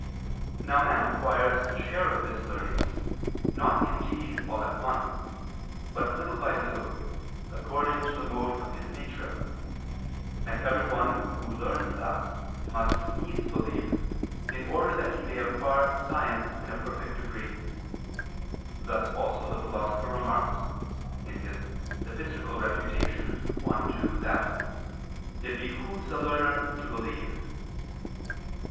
Now man acquires a share of this learning, not indeed all at once, but by little and little, according to the mode of his nature: and every one who learns thus must needs believe, in order that he may acquire science in a perfect degree; thus also the Philosopher remarks (De Soph. Elench. i, 2) that "it behooves a learner to believe."